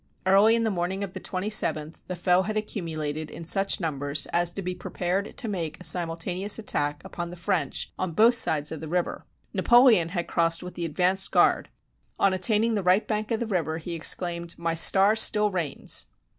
Early in the morn ing of the 27th, the foe had accumulated in such num bers as to be prepared to make a simultaneous attack upon the French on both sides of the river. Napoleon had crossed with the advanced guard. On attaining the right bank of the river, he exclaimed, "My star still reigns!"